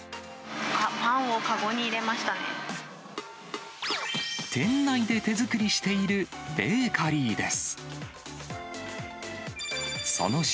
あっ、店内で手作りしているベーカリーです。